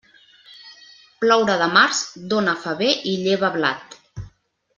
Ploure de març, dóna faver i lleva blat.